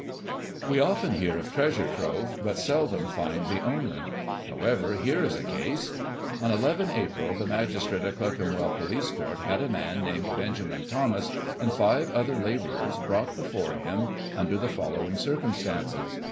We often hear of "treasure trove," but seldom find the owner. However, here is a case : On 1 1 April, the magistrate at Clerkenwell Police Court had a man named Benjamin Thomas, and five other labourers, brought before him, under the following circumstances.